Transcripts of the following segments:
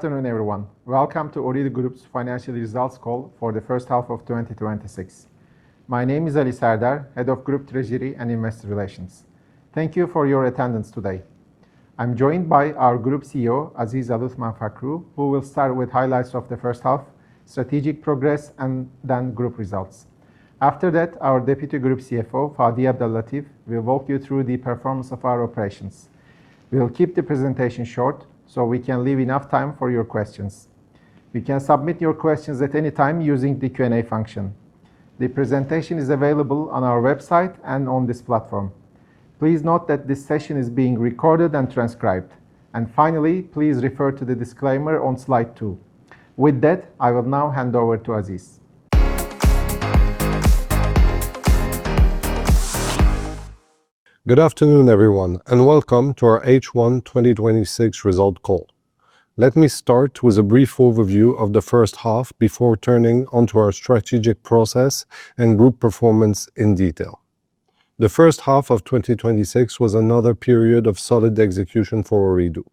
Afternoon, everyone. Welcome to Ooredoo Group's financial results call for the H1 of 2026. My name is Ali Serdar, Head of Group Treasury and Investor Relations. Thank you for your attendance today. I am joined by our Group CEO, Aziz Aluthman Fakhroo, who will start with highlights of the H1, strategic progress, group results. After that, our Deputy Group CFO, Fadi Abdellatif, will walk you through the performance of our operations. We will keep the presentation short so we can leave enough time for your questions. You can submit your questions at any time using the Q&A function. The presentation is available on our website and on this platform. Please note that this session is being recorded and transcribed. Finally, please refer to the disclaimer on Slide 2. With that, I will now hand over to Aziz. Good afternoon, everyone, and welcome to our H1 2026 result call. Let me start with a brief overview of the H1 before turning to our strategic progress and group performance in detail. The H1 of 2026 was another period of solid execution for Ooredoo.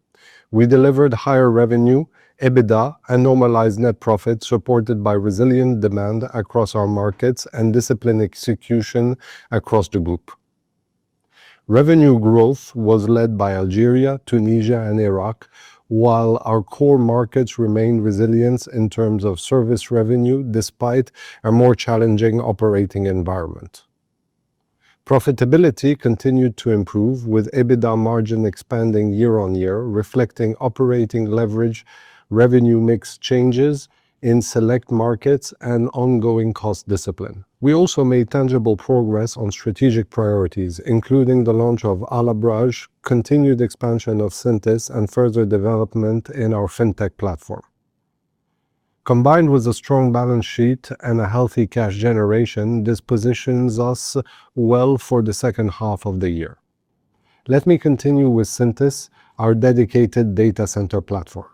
We delivered higher revenue, EBITDA, and normalized net profit, supported by resilient demand across our markets and disciplined execution across the group. Revenue growth was led by Algeria, Tunisia, and Iraq, while our core markets remained resilient in terms of service revenue despite a more challenging operating environment. Profitability continued to improve with EBITDA margin expanding year-over-year, reflecting operating leverage, revenue mix changes in select markets, and ongoing cost discipline. We also made tangible progress on strategic priorities, including the launch of Al Abraj, continued expansion of Syntys, and further development in our fintech platform. Combined with a strong balance sheet and a healthy cash generation, this positions us well for the H2 of the year. Let me continue with Syntys, our dedicated data center platform.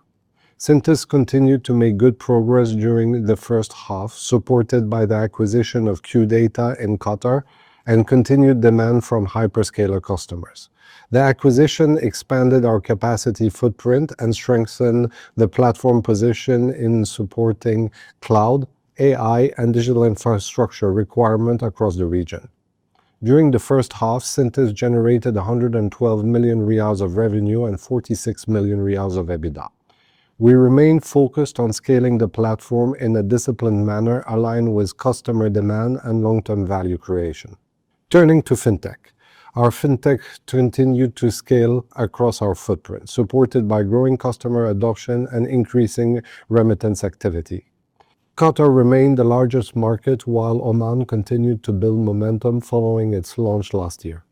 Syntys continued to make good progress during the H1, supported by the acquisition of QData in Qatar and continued demand from hyperscaler customers. The acquisition expanded our capacity footprint and strengthened the platform position in supporting cloud, AI, and digital infrastructure requirements across the region. During the H1, Syntys generated 112 million riyals of revenue and 46 million riyals of EBITDA. We remain focused on scaling the platform in a disciplined manner, aligned with customer demand and long-term value creation. Turning to fintech. Our fintech continued to scale across our footprint, supported by growing customer adoption and increasing remittance activity. Qatar remained the largest market while Oman continued to build momentum following its launch last year.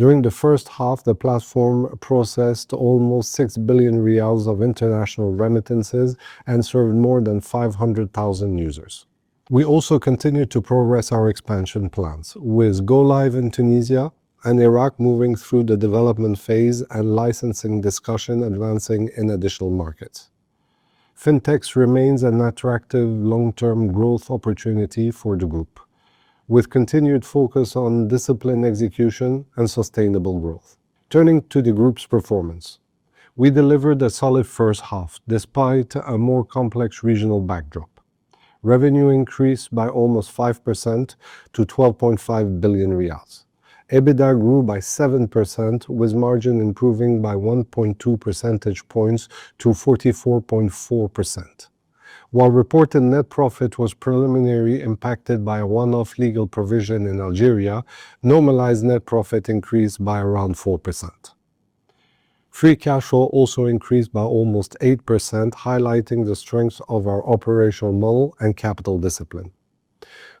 During the H1, the platform processed almost 6 billion riyals of international remittances and served more than 500,000 users. We also continued to progress our expansion plans with go-live in Tunisia and Iraq moving through the development phase and licensing discussion advancing in additional markets. Fintech remains an attractive long-term growth opportunity for the group, with continued focus on disciplined execution and sustainable growth. Turning to the group's performance. We delivered a solid H1 despite a more complex regional backdrop. Revenue increased by almost 5% to 12.5 billion riyals. EBITDA grew by 7%, with margin improving by 1.2 percentage points to 44.4%. While reported net profit was preliminarily impacted by a one-off legal provision in Algeria, normalized net profit increased by around 4%. Free cash flow also increased by almost 8%, highlighting the strengths of our operational model and capital discipline.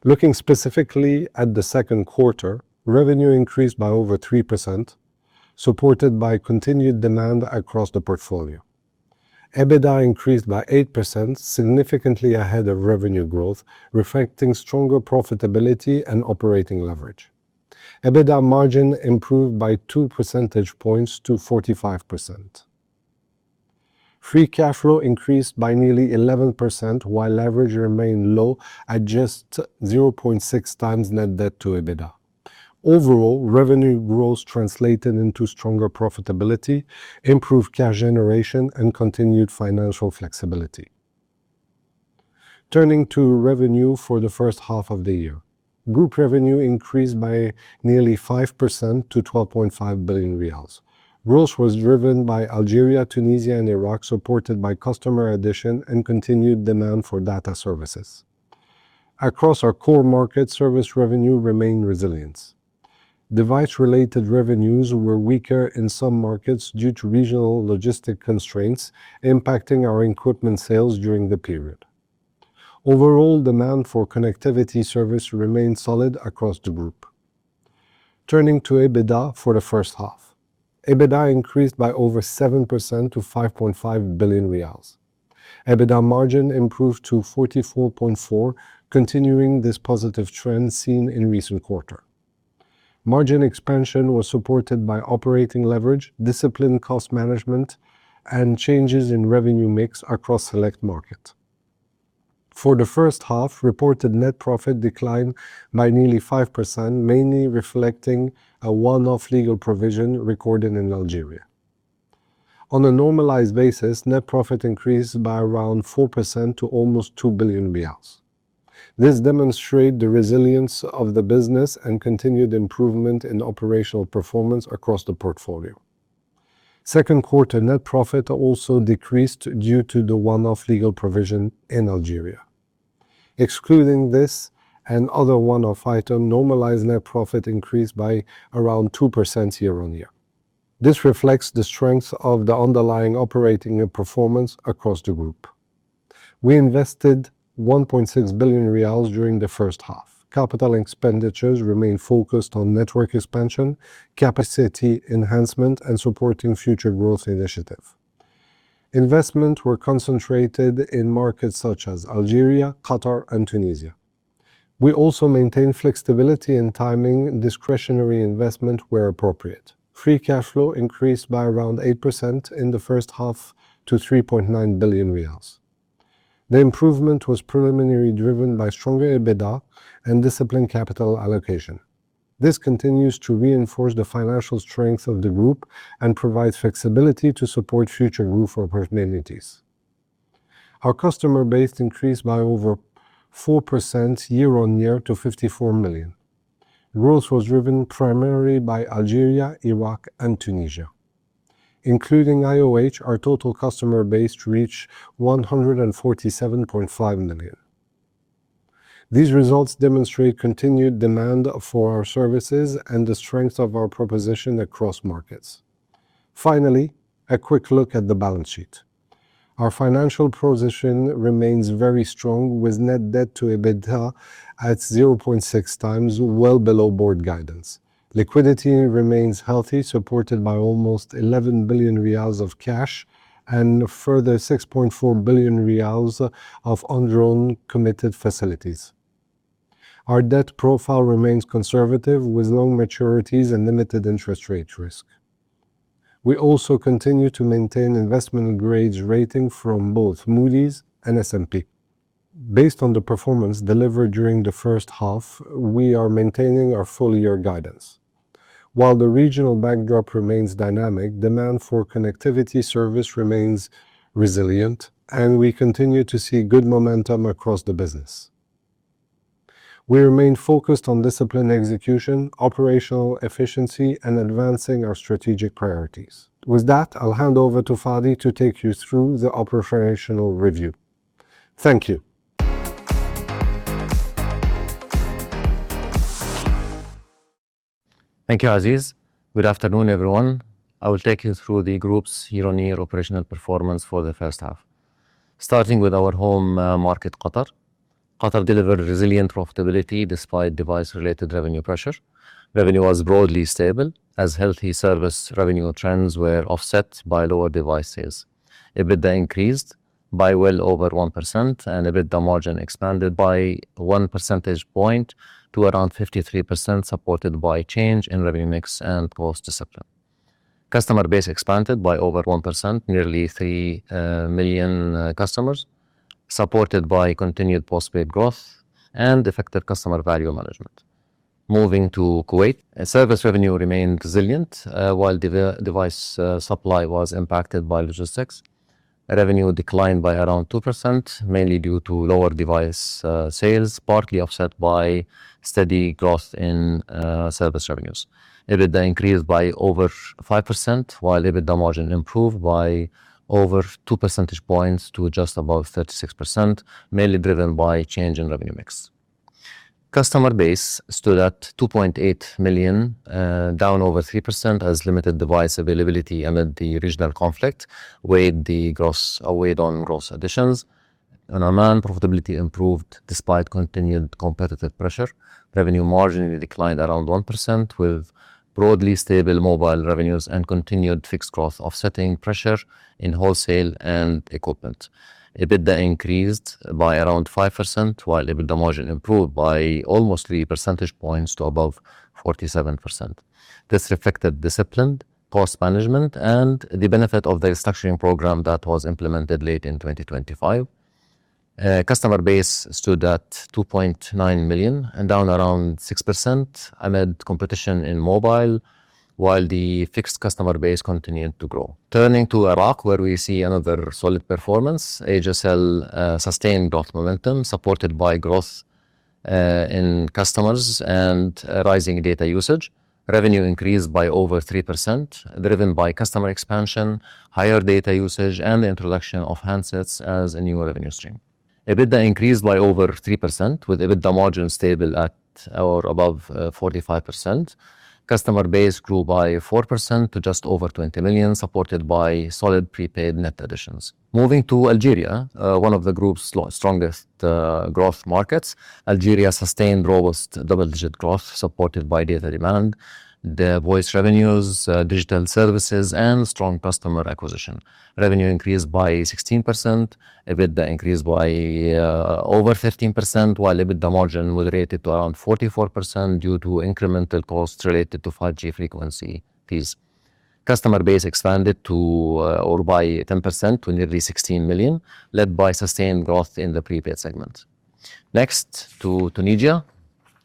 Looking specifically at the second quarter, revenue increased by over 3%, supported by continued demand across the portfolio. EBITDA increased by 8%, significantly ahead of revenue growth, reflecting stronger profitability and operating leverage. EBITDA margin improved by 2 percentage points to 45%. Free cash flow increased by nearly 11%, while leverage remained low at just 0.6x net debt to EBITDA. Overall, revenue growth translated into stronger profitability, improved cash generation, and continued financial flexibility. Turning to revenue for the H1 of the year. Group revenue increased by nearly 5% to 12.5 billion riyals. Growth was driven by Algeria, Tunisia, and Iraq, supported by customer addition and continued demand for data services. Across our core markets, service revenue remained resilient. Device-related revenues were weaker in some markets due to regional logistic constraints impacting our equipment sales during the period. Overall, demand for connectivity service remained solid across the group. Turning to EBITDA for the H1. EBITDA increased by over 7% to 5.5 billion riyals. EBITDA margin improved to 44.4%, continuing this positive trend seen in recent quarter. Margin expansion was supported by operating leverage, disciplined cost management, and changes in revenue mix across select markets. For the H1, reported net profit declined by nearly 5%, mainly reflecting a one-off legal provision recorded in Algeria. On a normalized basis, net profit increased by around 4% to almost 2 billion riyals. This demonstrates the resilience of the business and continued improvement in operational performance across the portfolio. Second quarter net profit also decreased due to the one-off legal provision in Algeria. Excluding this and other one-off items, normalized net profit increased by around 2% year-over-year. This reflects the strength of the underlying operating performance across the group. We invested 1.6 billion riyals during the H1. CAPEX remain focused on network expansion, capacity enhancement, and supporting future growth initiatives. Investments were concentrated in markets such as Algeria, Qatar, and Tunisia. We also maintain flexibility in timing discretionary investment where appropriate. Free cash flow increased by around 8% in the H1 to 3.9 billion riyals. The improvement was primarily driven by stronger EBITDA and disciplined capital allocation. This continues to reinforce the financial strength of the group and provide flexibility to support future group opportunities. Our customer base increased by over 4% year-over-year to 54 million. Growth was driven primarily by Algeria, Iraq, and Tunisia. Including IOH, our total customer base reached 147.5 million. These results demonstrate continued demand for our services and the strength of our proposition across markets. Finally, a quick look at the balance sheet. Our financial position remains very strong with net debt to EBITDA at 0.6x, well below board guidance. Liquidity remains healthy, supported by almost 11 billion riyals of cash and a further 6.4 billion riyals of undrawn committed facilities. Our debt profile remains conservative with long maturities and limited interest rate risk. We also continue to maintain investment-grade ratings from both Moody's and S&P. Based on the performance delivered during the H1, we are maintaining our full-year guidance. While the regional backdrop remains dynamic, demand for connectivity service remains resilient, and we continue to see good momentum across the business. We remain focused on disciplined execution, operational efficiency, and advancing our strategic priorities. With that, I'll hand over to Fadi to take you through the operational review. Thank you. Thank you, Aziz. Good afternoon, everyone. I will take you through the group's year-on-year operational performance for the H1. Starting with our home market, Qatar. Qatar delivered resilient profitability despite device-related revenue pressure. Revenue was broadly stable as healthy service revenue trends were offset by lower devices. EBITDA increased by well over 1%, and EBITDA margin expanded by 1 percentage point to around 53%, supported by change in revenue mix and cost discipline. Customer base expanded by over 1%, nearly 3 million customers, supported by continued postpaid growth and effective customer value management. Moving to Kuwait. Service revenue remained resilient while device supply was impacted by logistics. Revenue declined by around 2%, mainly due to lower device sales, partly offset by steady growth in service revenues. EBITDA increased by over 5%, while EBITDA margin improved by over two percentage points to just above 36%, mainly driven by a change in revenue mix. Customer base stood at 2.8 million, down over 3% as limited device availability amid the regional conflict weighed on gross additions. Oman profitability improved despite continued competitive pressure. Revenue margin declined around 1%, with broadly stable mobile revenues and continued fixed growth offsetting pressure in wholesale and equipment. EBITDA increased by around 5%, while EBITDA margin improved by almost 3 percentage points to above 47%. This reflected disciplined cost management and the benefit of the restructuring program that was implemented late in 2025. Customer base stood at 2.9 million and down around 6% amid competition in mobile, while the fixed customer base continued to grow. Turning to Iraq, where we see another solid performance. Asiacell sustained growth momentum supported by growth in customers and rising data usage. Revenue increased by over 3%, driven by customer expansion, higher data usage, and the introduction of handsets as a new revenue stream. EBITDA increased by over 3%, with EBITDA margin stable at or above 45%. Customer base grew by 4% to just over 20 million, supported by solid prepaid net additions. Moving to Algeria, one of the group's strongest growth markets. Algeria sustained robust double-digit growth supported by data demand, the voice revenues, digital services, and strong customer acquisition. Revenue increased by 16%, EBITDA increased by over 15%, while EBITDA margin moderated to around 44% due to incremental costs related to 5G frequency fees. Customer base expanded by 10% to nearly 16 million, led by sustained growth in the prepaid segment. Next to Tunisia,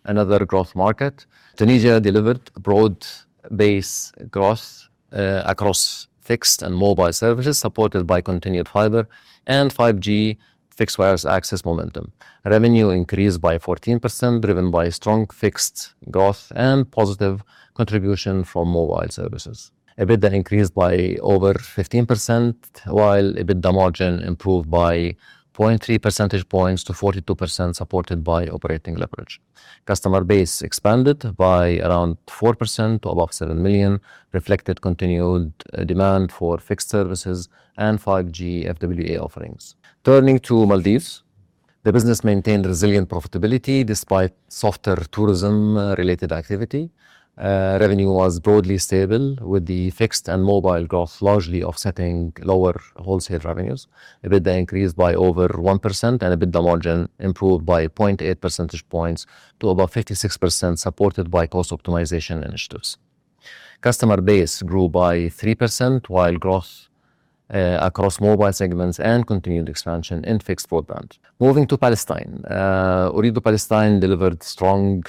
another growth market. Tunisia delivered broad-based growth across fixed and mobile services, supported by continued fiber and 5G fixed wireless access momentum. Revenue increased by 14%, driven by strong fixed growth and positive contribution from mobile services. EBITDA increased by over 15%, while EBITDA margin improved by 0.3 percentage points to 42%, supported by operating leverage. Customer base expanded by around 4% to above 7 million, reflected continued demand for fixed services and 5G FWA offerings. Turning to Maldives. The business maintained resilient profitability despite softer tourism-related activity. Revenue was broadly stable, with the fixed and mobile growth largely offsetting lower wholesale revenues. EBITDA increased by over 1%, and EBITDA margin improved by 0.8 percentage points to above 56%, supported by cost optimization initiatives. Customer base grew by 3%, while growth across mobile segments and continued expansion in fixed broadband. Moving to Palestine. Ooredoo Palestine delivered strong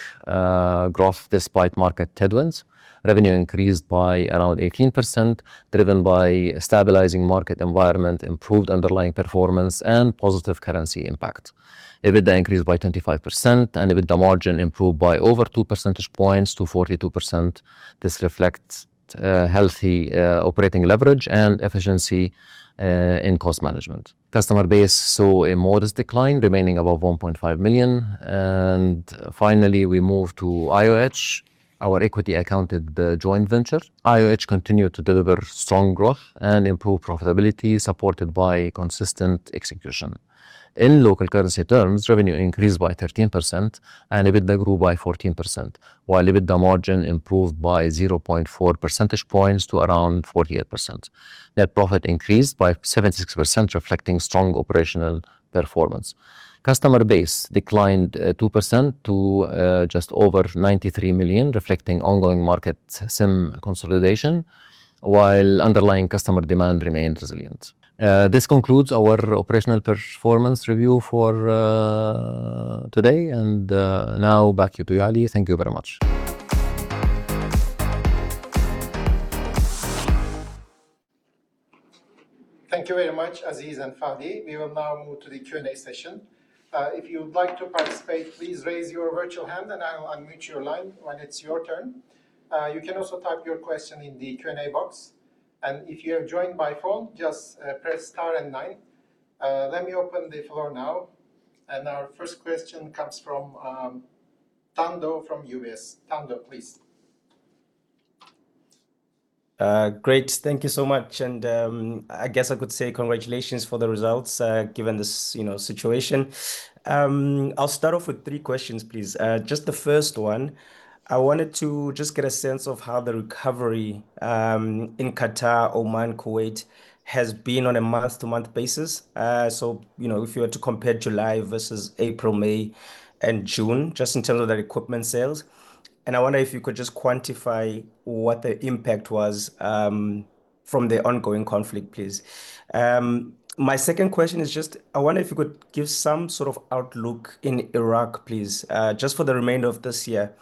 growth despite market headwinds. Revenue increased by around 18%, driven by a stabilizing market environment, improved underlying performance, and positive currency impact. EBITDA increased by 25%, and EBITDA margin improved by over 2 percentage points to 42%. This reflects healthy operating leverage and efficiency in cost management. Customer base saw a modest decline remaining above 1.5 million. Finally, we move to IoH, our equity accounted joint venture. IoH continued to deliver strong growth and improve profitability supported by consistent execution. In local currency terms, revenue increased by 13% and EBITDA grew by 14%, while EBITDA margin improved by 0.4 percentage points to around 48%. Net profit increased by 76%, reflecting strong operational performance. Customer base declined 2% to just over 93 million, reflecting ongoing market SIM consolidation, while underlying customer demand remained resilient. This concludes our operational performance review for today. Now back to you, Ali. Thank you very much. Thank you very much, Aziz and Fadi. We will now move to the Q&A session. If you would like to participate, please raise your virtual hand and I will unmute your line when it's your turn. You can also type your question in the Q&A box. If you have joined by phone, just press star and nine. Let me open the floor now. Our first question comes from Thando from UBS. Thando, please. Great. Thank you so much. I guess I could say congratulations for the results given this situation. I'll start off with three questions, please. Just the first one, I wanted to just get a sense of how the recovery in Qatar, Oman, Kuwait has been on a month-to-month basis. If you were to compare July versus April, May, and June, just in terms of their equipment sales. I wonder if you could just quantify what the impact was from the ongoing conflict, please. My second question is just I wonder if you could give some sort of outlook in Iraq, please, just for the remainder of this year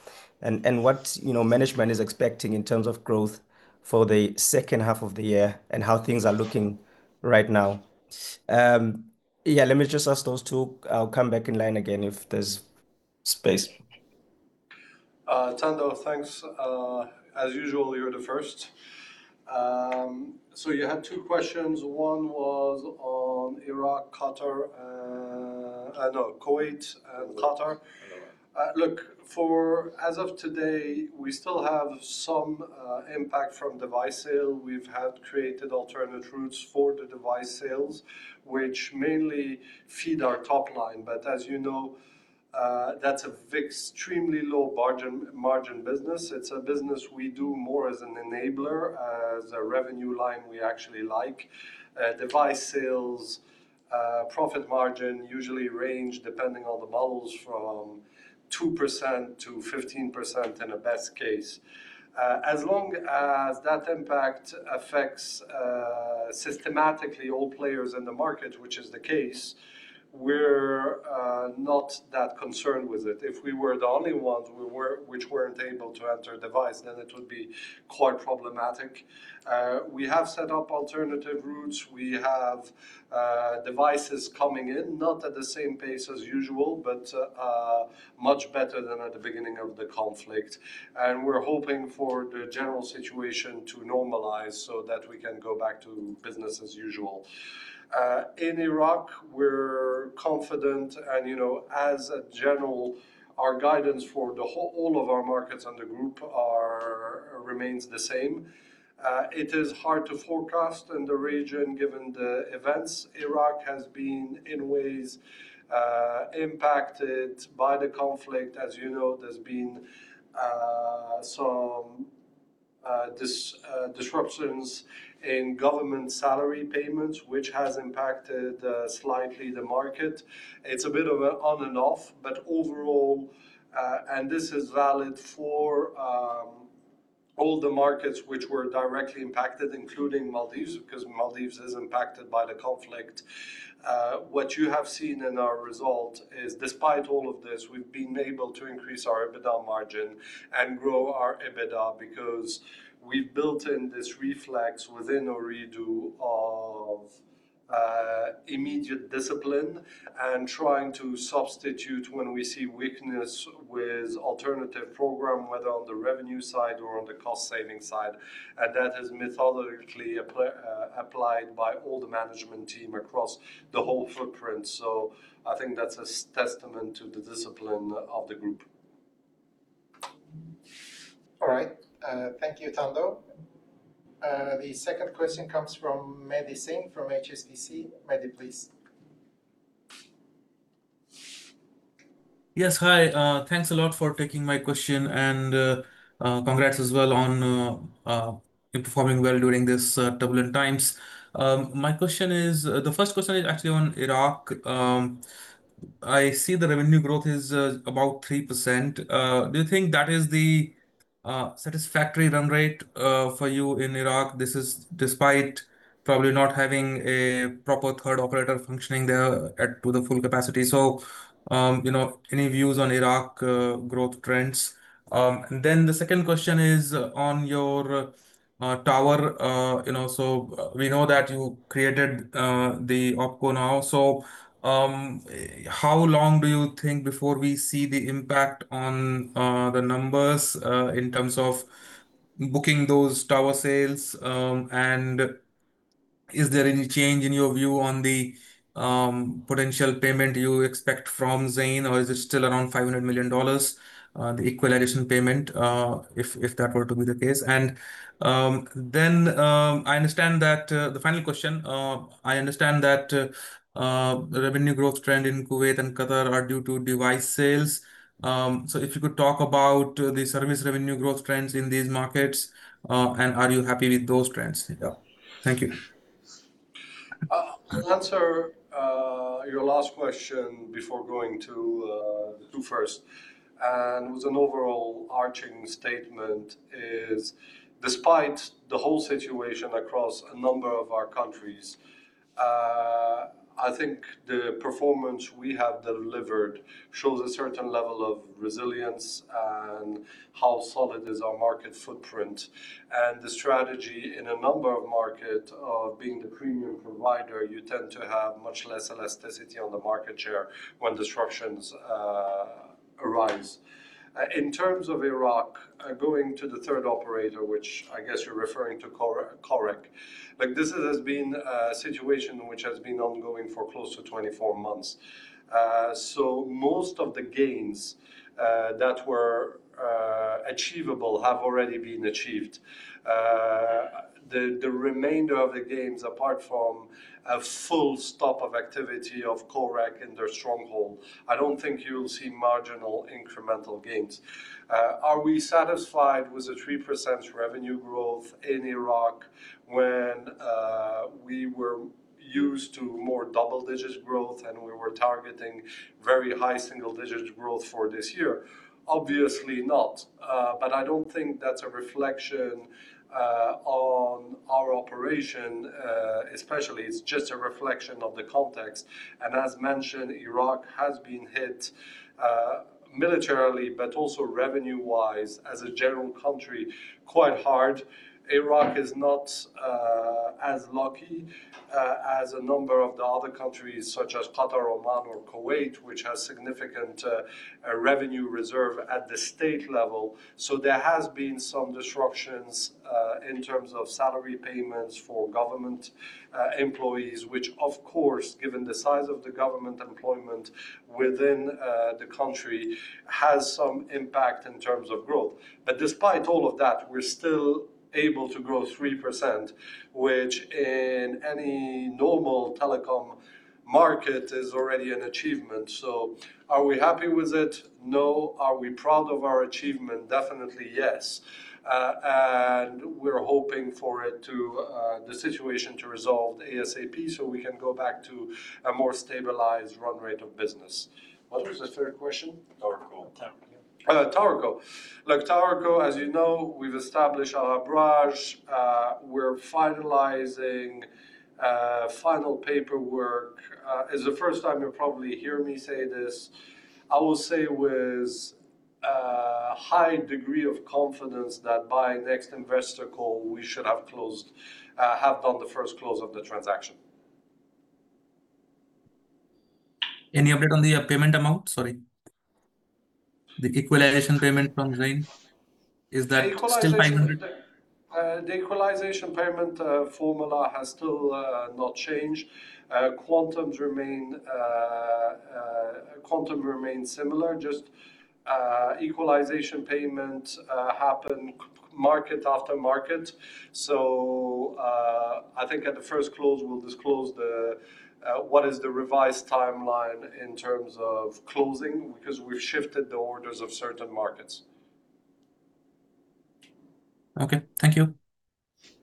and what management is expecting in terms of growth for the H2 of the year and how things are looking right now. Yeah, let me just ask those two. I'll come back in line again if there's space. Thando, thanks. As usual, you're the first. You had two questions. One was on Iraq, Qatar-- No, Kuwait and Qatar. Look, as of today, we still have some impact from device sale. We've had created alternate routes for the device sales, which mainly feed our top line. As you know, that's an extremely low margin business. It's a business we do more as an enabler, as a revenue line we actually like. Device sales profit margin usually range depending on the models from 2%-15% in a best case. As long as that impact affects systematically all players in the market, which is the case, we're not that concerned with it. If we were the only ones which weren't able to enter device, then it would be quite problematic. We have set up alternative routes. We have devices coming in, not at the same pace as usual, but much better than at the beginning of the conflict. We're hoping for the general situation to normalize so that we can go back to business as usual. In Iraq, we're confident as a general, our guidance for all of our markets and the group remains the same. It is hard to forecast in the region given the events. Iraq has been in ways impacted by the conflict. As you know, there's been some disruptions in government salary payments, which has impacted slightly the market. It's a bit of an on and off, but overall, and this is valid for all the markets which were directly impacted, including Maldives, because Maldives is impacted by the conflict. What you have seen in our result is despite all of this, we've been able to increase our EBITDA margin and grow our EBITDA because we've built in this reflex within Ooredoo of immediate discipline and trying to substitute when we see weakness with alternative program, whether on the revenue side or on the cost-saving side. That is methodologically applied by all the management team across the whole footprint. I think that's a testament to the discipline of the group. All right. Thank you, Thando. The second question comes from Maddy Singh from HSBC. Maddy, please. Yes, hi. Thanks a lot for taking my question and congrats as well on performing well during these turbulent times. The first question is actually on Iraq. I see the revenue growth is about 3%. Do you think that is the satisfactory run rate for you in Iraq? This is despite probably not having a proper third operator functioning there at the full capacity. Any views on Iraq growth trends? The second question is on your tower. We know that you created the OpCo now. How long do you think before we see the impact on the numbers in terms of booking those tower sales? And is there any change in your view on the potential payment you expect from Zain, or is it still around QAR 500 million? The equalization payment, if that were to be the case. The final question, I understand that revenue growth trend in Kuwait and Qatar are due to device sales. If you could talk about the service revenue growth trends in these markets, and are you happy with those trends? Yeah. Thank you. I'll answer your last question before going to the two first, and with an overall arching statement is despite the whole situation across a number of our countries, I think the performance we have delivered shows a certain level of resilience and how solid is our market footprint. The strategy in a number of markets of being the premium provider, you tend to have much less elasticity on the market share when disruptions arise. In terms of Iraq, going to the third operator, which I guess you're referring to Korek. This has been a situation which has been ongoing for close to 24 months. Most of the gains that were achievable have already been achieved. The remainder of the gains, apart from a full stop of activity of Korek in their stronghold, I don't think you'll see marginal incremental gains. Are we satisfied with the 3% revenue growth in Iraq when we were used to more double-digit growth and we were targeting very high single-digit growth for this year? Obviously not. I don't think that's a reflection on our operation especially. It's just a reflection of the context. As mentioned, Iraq has been hit militarily, but also revenue-wise as a general country, quite hard. Iraq is not as lucky as a number of the other countries such as Qatar, Oman or Kuwait, which has significant revenue reserve at the state level. There has been some disruptions in terms of salary payments for government employees, which of course, given the size of the government employment within the country, has some impact in terms of growth. Despite all of that, we're still able to grow 3%, which in any normal telecom market is already an achievement. Are we happy with it? No. Are we proud of our achievement? Definitely, yes. We're hoping for the situation to resolve ASAP so we can go back to a more stabilized run rate of business. What was the third question? TowerCo. TowerCo. TowerCo, as you know, we've established our Al Abraj. We're finalizing final paperwork. It's the first time you'll probably hear me say this. I will say with a high degree of confidence that by next investor call, we should have done the first close of the transaction. Any update on the payment amount? Sorry. The equalization payment from Zain Group, is that still 500? The equalization payment formula has still not changed. Quantum remains similar, just equalization payment happen market after market. I think at the first close, we'll disclose what is the revised timeline in terms of closing because we've shifted the orders of certain markets. Okay. Thank you.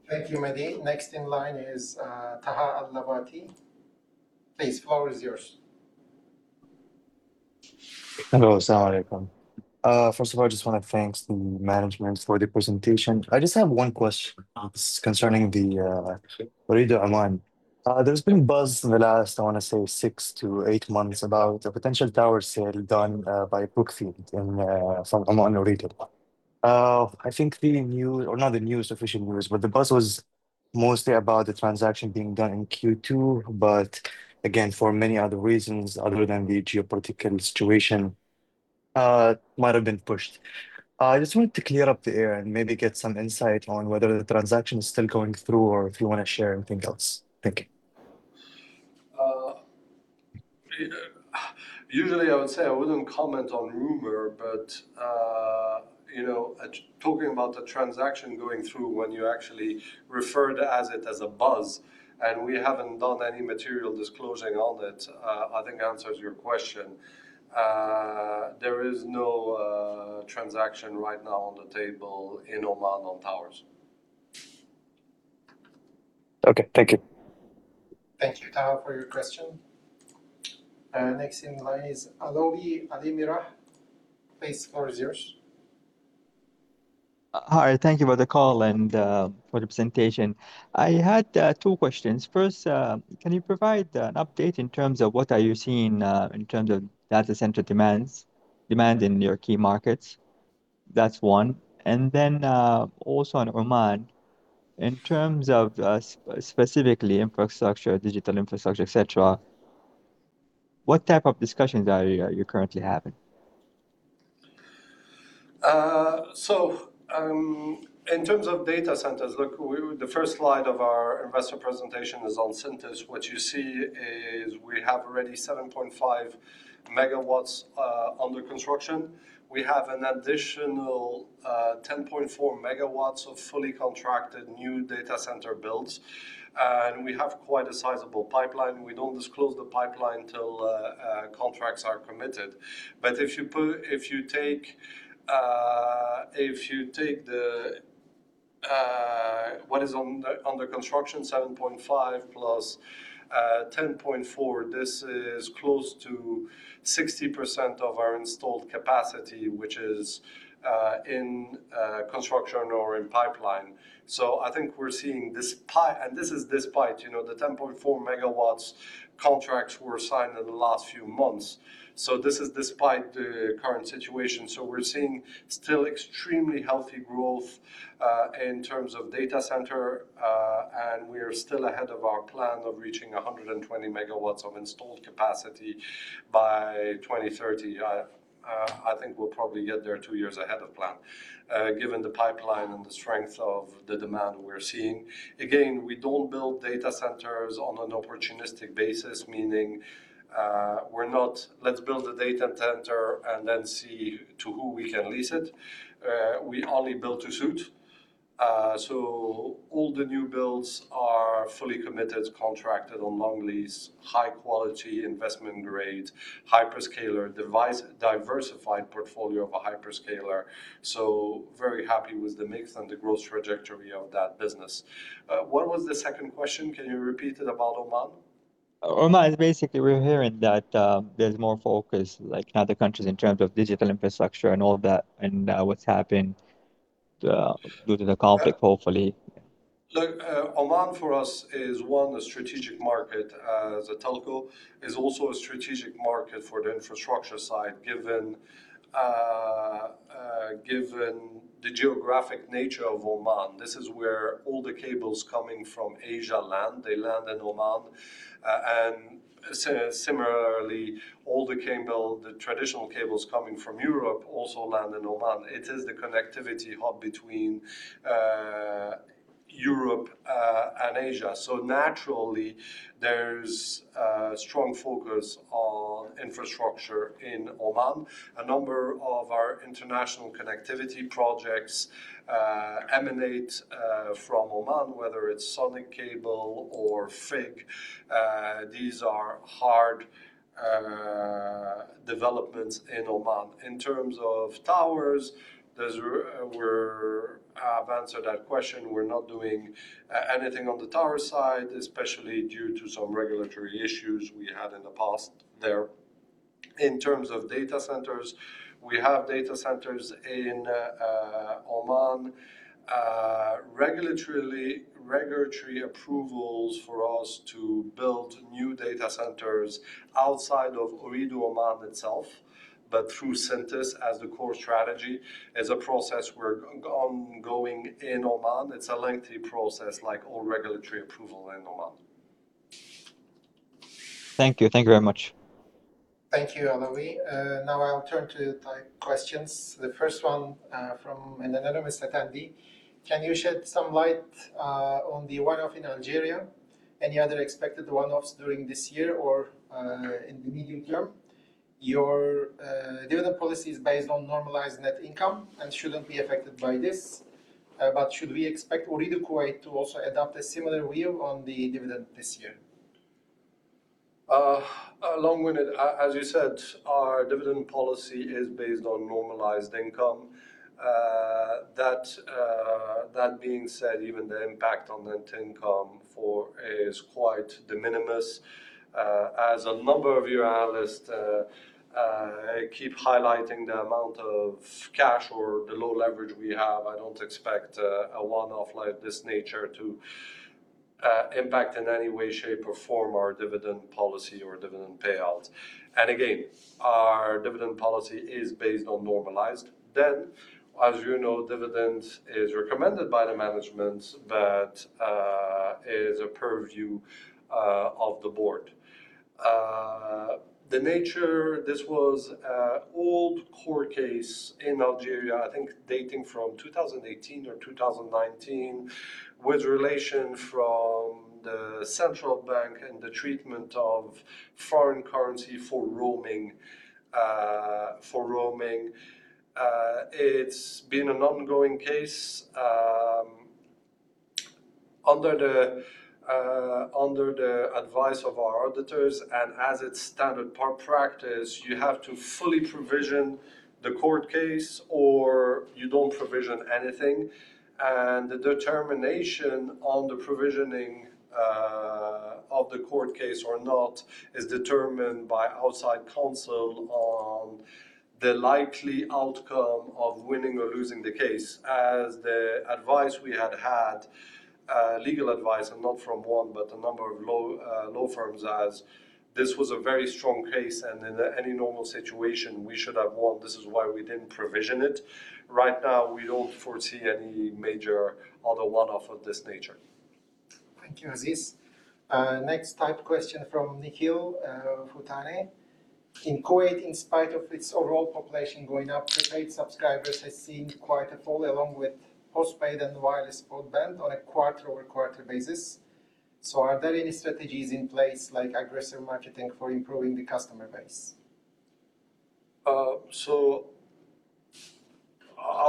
Thank you, Maddy. Next in line is Taha Al-Labwawi. Please, the floor is yours. Hello [inaudible] First of all, I just want to thank the management for the presentation. I just have one question concerning Ooredoo Oman. There's been buzz in the last, I want to say, six to eight months about a potential tower sale done by Brookfield in Ooredoo Oman. I think the news or not the news, official news, but the buzz was mostly about the transaction being done in Q2, but again, for many other reasons, other than the geopolitical situation, might have been pushed. I just wanted to clear up the air and maybe get some insight on whether the transaction is still going through or if you want to share anything else. Thank you. Usually I would say I wouldn't comment on rumor, talking about the transaction going through when you actually referred to it as a buzz, and we haven't done any material disclosing on it, I think answers your question. There is no transaction right now on the table in Oman on towers. Okay. Thank you. Thank you, Taha, for your question. Next in line is Alowi Alimirah. Please the floor is yours. Hi, thank you for the call and for the presentation. I had two questions. First, can you provide an update in terms of what are you seeing in terms of data center demand in your key markets? That is one. Also on Oman, in terms of specifically infrastructure, digital infrastructure, et cetera., what type of discussions are you currently having? In terms of data centers, look, the first slide of our investor presentation is on Syntys. What you see is we have already 7.5 MW under construction. We have an additional 10.4 MW of fully contracted new data center builds. We have quite a sizable pipeline. We do not disclose the pipeline till contracts are committed. If you take what is under construction, 7.5+10.4, this is close to 60% of our installed capacity, which is in construction or in pipeline. I think we're seeing. This is despite the 10.4 MW contracts were signed in the last few months. This is despite the current situation. We're seeing still extremely healthy growth in terms of data center. We are still ahead of our plan of reaching 120 MW of installed capacity by 2030. I think we'll probably get there two years ahead of plan, given the pipeline and the strength of the demand we're seeing. Again, we don't build data centers on an opportunistic basis, meaning we're not, "Let's build a data center and then see to who we can lease it." We only build to suit. All the new builds are fully committed, contracted on long lease, high quality investment grade, diversified portfolio of a hyperscaler. Very happy with the mix and the growth trajectory of that business. What was the second question? Can you repeat it about Oman? Oman is basically we're hearing that there's more focus like other countries in terms of digital infrastructure and all that and what's happened due to the conflict, hopefully. Look, Oman for us is one, a strategic market as a telco. It is also a strategic market for the infrastructure side given the geographic nature of Oman. This is where all the cables coming from Asia land. They land in Oman. Similarly, all the traditional cables coming from Europe also land in Oman. It is the connectivity hub between Europe and Asia. Naturally, there's a strong focus on infrastructure in Oman. A number of our international connectivity projects emanate from Oman, whether it's SONIC or FIG. These are hard developments in Oman. In terms of towers, I've answered that question. We're not doing anything on the tower side, especially due to some regulatory issues we had in the past there. In terms of data centers, we have data centers in Oman. Regulatory approvals for us to build new data centers outside of Ooredoo Oman itself, but through Syntys as the core strategy, is a process we're ongoing in Oman. It's a lengthy process like all regulatory approval in Oman. Thank you. Thank you very much. Thank you, Alowi. Now I'll turn to type questions. The first one from an anonymous attendee. Can you shed some light on the one-off in Algeria? Any other expected one-offs during this year or in the medium term? Your dividend policy is based on normalized net income and shouldn't be affected by this. Should we expect Ooredoo Kuwait to also adopt a similar view on the dividend this year? Long-winded, as you said, our dividend policy is based on normalized income. That being said, even the impact on net income is quite de minimis. As a number of you analysts keep highlighting the amount of cash or the low leverage we have, I don't expect a one-off like this nature to impact in any way, shape, or form our dividend policy or dividend payout. Again, our dividend policy is based on normalized. As you know, dividend is recommended by the management but is a purview of the board. The nature, this was an old court case in Algeria, I think dating from 2018 or 2019, with relation from the central bank and the treatment of foreign currency for roaming. It's been an ongoing case. Under the advice of our auditors and as its standard practice, you have to fully provision the court case or you don't provision anything, and the determination on the provisioning of the court case or not is determined by outside counsel on the likely outcome of winning or losing the case. As the advice we had, legal advice, and not from one, but a number of law firms as this was a very strong case and in any normal situation we should have won. This is why we didn't provision it. Right now, we don't foresee any major other one-off of this nature. Thank you, Aziz. Next typed question from Nikhil Butane. In Kuwait, in spite of its overall population going up, prepaid subscribers have seen quite a fall along with postpaid and wireless broadband on a quarter-over-quarter basis. Are there any strategies in place like aggressive marketing for improving the customer base? I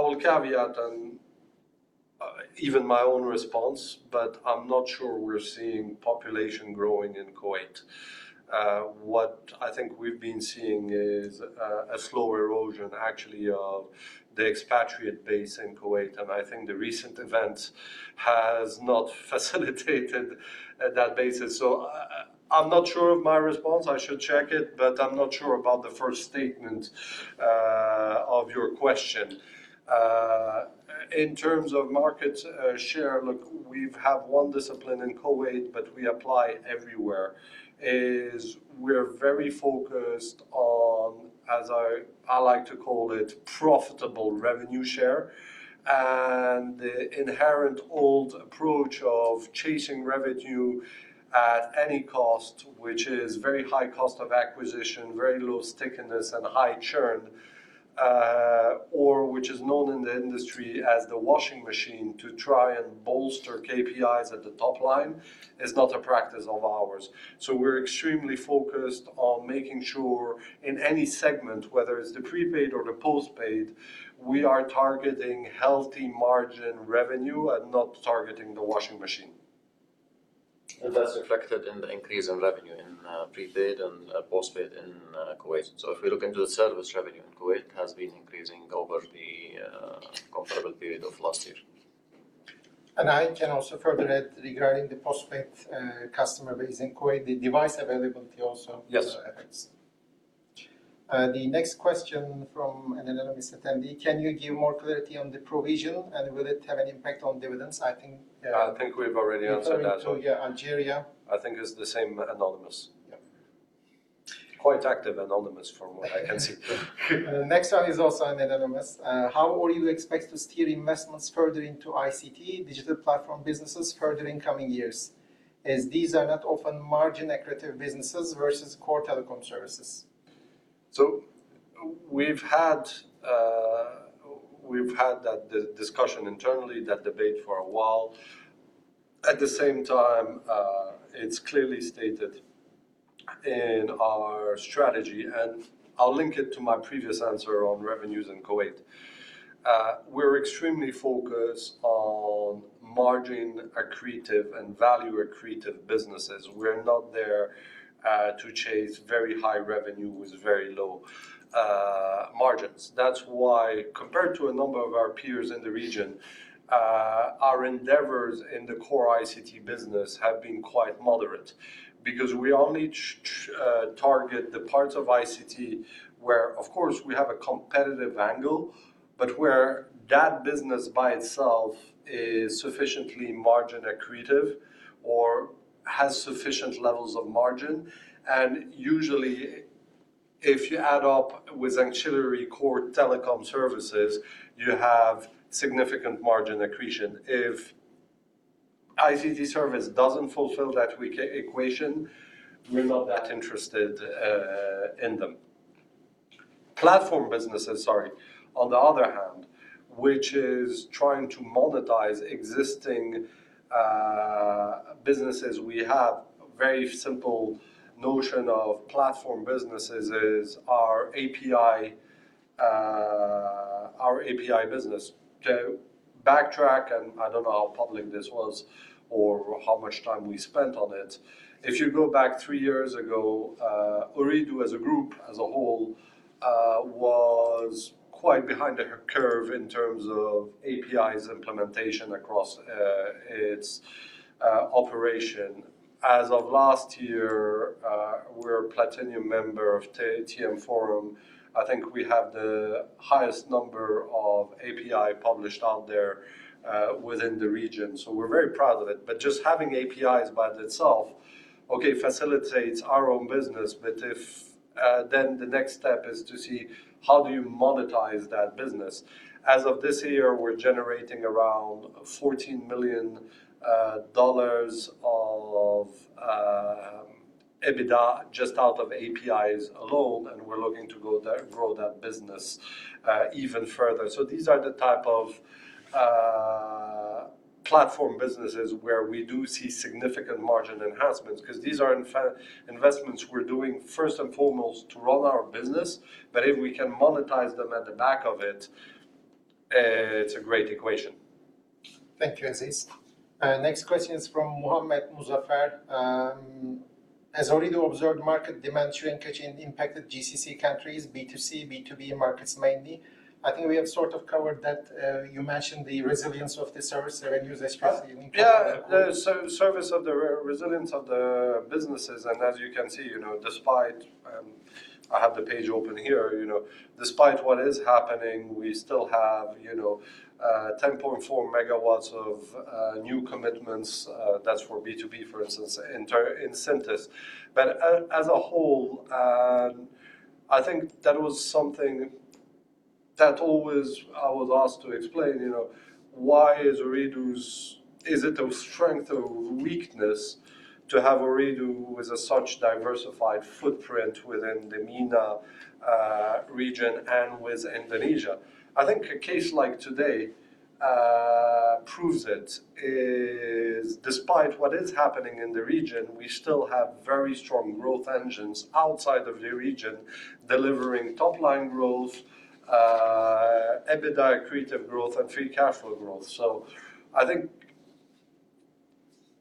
will caveat on even my own response, I'm not sure we're seeing population growing in Kuwait. What I think we've been seeing is a slow erosion actually of the expatriate base in Kuwait, I think the recent events has not facilitated that basis. I'm not sure of my response. I should check it, I'm not sure about the first statement of your question. In terms of market share, look, we have one discipline in Kuwait, we apply everywhere, is we're very focused on, as I like to call it, profitable revenue share and the inherent old approach of chasing revenue at any cost, which is very high cost of acquisition, very low stickiness and high churn, or which is known in the industry as the washing machine to try and bolster KPIs at the top line is not a practice of ours. We're extremely focused on making sure in any segment, whether it's the prepaid or the postpaid, we are targeting healthy margin revenue and not targeting the washing machine. That's reflected in the increase in revenue in prepaid and postpaid in Kuwait. If we look into the service revenue in Kuwait, it has been increasing over the comparable period of last year. I can also further add regarding the postpaid customer base in Kuwait, the device availability also. Yes, has effects. The next question from an anonymous attendee: Can you give more clarity on the provision, and will it have any impact on dividends? I think- I think we've already answered that. Referring to, yeah, Algeria. I think it's the same anonymous. Yeah. Quite active anonymous from what I can see. The next one is also an anonymous. How are you expect to steer investments further into ICT digital platform businesses further in coming years, as these are not often margin-accretive businesses versus core telecom services? We've had that discussion internally, that debate for a while. At the same time, it's clearly stated in our strategy, and I'll link it to my previous answer on revenues in Kuwait. We're extremely focused on margin-accretive and value-accretive businesses. We're not there to chase very high revenue with very low margins. That's why compared to a number of our peers in the region, our endeavors in the core ICT business have been quite moderate because we only target the parts of ICT where, of course, we have a competitive angle, but where that business by itself is sufficiently margin accretive or has sufficient levels of margin. Usually if you add up with ancillary core telecom services, you have significant margin accretion. If ICT service doesn't fulfill that equation, we're not that interested in them. Platform businesses, sorry, on the other hand, which is trying to monetize existing businesses we have, very simple notion of platform businesses is our API business. Backtrack, I don't know how public this was or how much time we spent on it. If you go back three years ago, Ooredoo as a Group, as a whole, was quite behind the curve in terms of APIs implementation across its operation. As of last year, we're a platinum member of TM Forum. I think we have the highest number of API published out there within the region, we're very proud of it. Just having APIs by itself, okay, facilitates our own business, the next step is to see how do you monetize that business. As of this year, we're generating around $14 million of EBITDA just out of APIs alone, we're looking to grow that business even further. These are the type of platform businesses where we do see significant margin enhancements because these are investments we're doing first and foremost to run our business. If we can monetize them at the back of it's a great equation. Thank you, Aziz. Next question is from Mohammed Muzaffar. Has Ooredoo observed market demand trend catching impacted GCC countries, B2C, B2B markets mainly? I think we have sort of covered that. You mentioned the resilience of the service revenues, especially in Qatar. Yeah. The resilience of the businesses, as you can see, despite, I have the page open here. Despite what is happening, we still have 10.4 MW of new commitments. That's for B2B, for instance, in Syntys. As a whole, I think that was something that always I was asked to explain. Why is Ooredoo's, is it a strength or weakness to have Ooredoo with a such diversified footprint within the MENA region and with Indonesia? I think a case like today proves it. Despite what is happening in the region, we still have very strong growth engines outside of the region, delivering top-line growth, EBITDA accretive growth, free cash flow growth. I think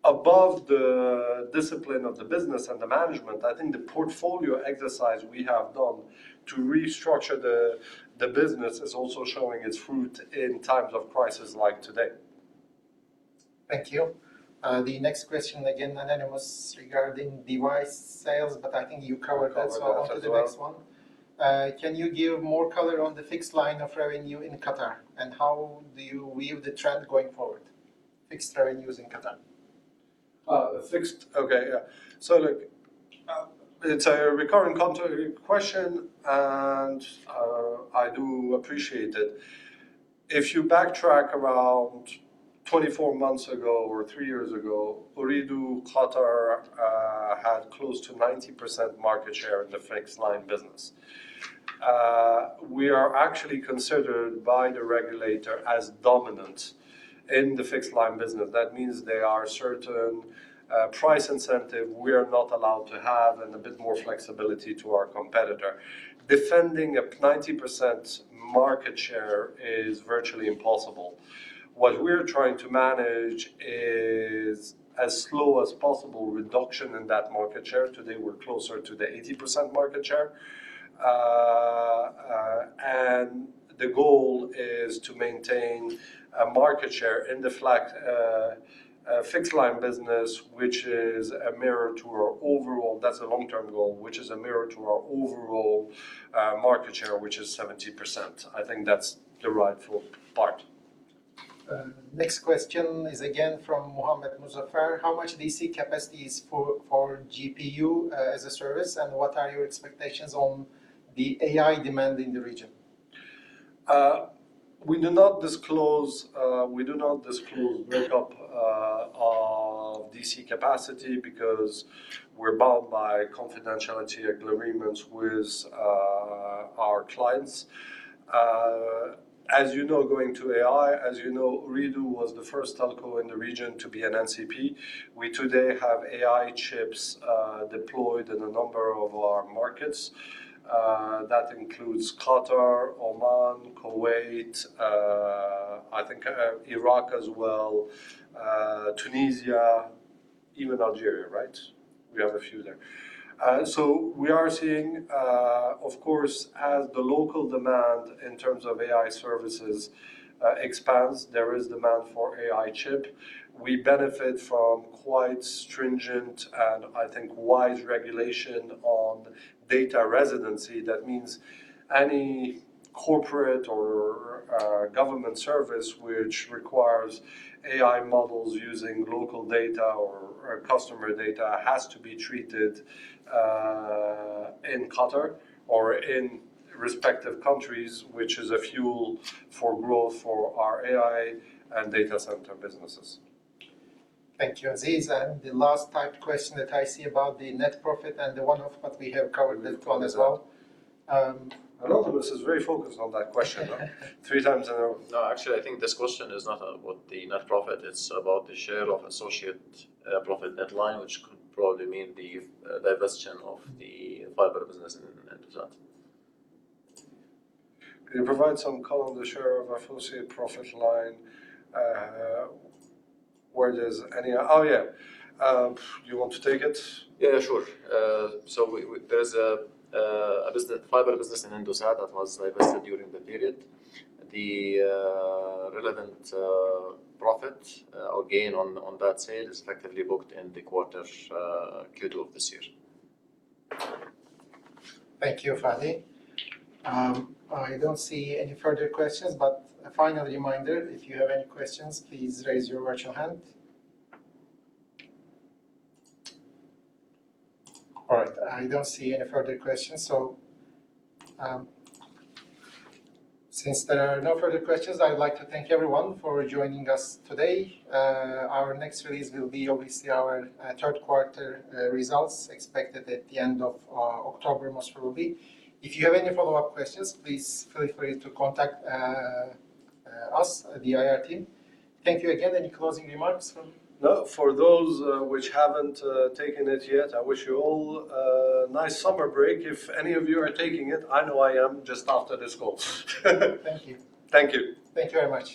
above the discipline of the business and the management, I think the portfolio exercise we have done to restructure the business is also showing its fruit in times of crisis like today. Thank you. The next question, again, anonymous regarding device sales, but I think you covered that. I covered that as well. I'll do the next one. Can you give more color on the fixed line of revenue in Qatar? How do you view the trend going forward? Fixed revenues in Qatar. Fixed. Okay, yeah. Look, it's a recurring question, and I do appreciate it. If you backtrack around 24 months ago or three years ago, Ooredoo Qatar had close to 90% market share in the fixed line business. We are actually considered by the regulator as dominant in the fixed line business. That means there are certain price incentive we are not allowed to have and a bit more flexibility to our competitor. Defending a 90% market share is virtually impossible. What we're trying to manage is as slow as possible reduction in that market share. Today, we're closer to the 80% market share. The goal is to maintain a market share in the fixed line business, which is a mirror to our overall. That's a long-term goal, which is a mirror to our overall market share, which is 70%. I think that's the rightful part. Next question is again from Mohammed Muzaffar. How much DC capacity is for GPU as a Service, and what are your expectations on the AI demand in the region? We do not disclose makeup of DC capacity because we're bound by confidentiality agreements with our clients. As you know, going to AI, as you know, Ooredoo was the first telco in the region to be an NCP. We today have AI chips deployed in a number of our markets. That includes Qatar, Oman, Kuwait, I think Iraq as well, Tunisia, even Algeria, right? We have a few there. We are seeing, of course, as the local demand in terms of AI services expands, there is demand for AI chip. We benefit from quite stringent and, I think, wise regulation on data residency. That means any corporate or government service which requires AI models using local data or customer data has to be treated in Qatar or in respective countries, which is a fuel for growth for our AI and data center businesses. Thank you, Aziz. The last typed question that I see about the net profit and the one of what we have covered this one as well. A lot of us is very focused on that question. Three times now. No, actually, I think this question is not about the net profit. It's about the share of associate profit net line, which could probably mean the divestment of the fiber business in Indosat. Can you provide some color on the share of associate profit line where there's any. Oh, yeah. You want to take it? Yeah, sure. There's a fiber business in Indosat that was divested during the period. The relevant profit or gain on that sale is effectively booked in the quarter Q2 of this year. Thank you, Fadi. A final reminder, if you have any questions, please raise your virtual hand. All right. I don't see any further questions. Since there are no further questions, I'd like to thank everyone for joining us today. Our next release will be obviously our third quarter results expected at the end of October, most probably. If you have any follow-up questions, please feel free to contact us at the IR team. Thank you again. Any closing remarks from- No. For those which haven't taken it yet, I wish you all a nice summer break if any of you are taking it. I know I am just after this call. Thank you. Thank you. Thank you very much.